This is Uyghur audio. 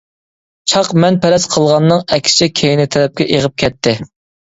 چاق مەن پەرەز قىلغاننىڭ ئەكسىچە كەينى تەرەپكە ئېغىپ كەتتى.